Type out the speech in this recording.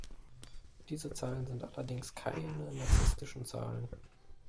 Diese Zahlen sind allerdings "keine" narzisstischen Zahlen.